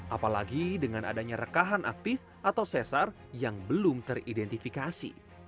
apalagi dengan adanya rekahan aktif atau sesar yang belum teridentifikasi